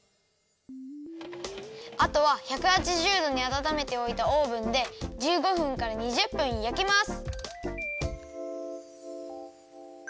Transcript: あとは１８０どにあたためておいたオーブンで１５分から２０分やきます。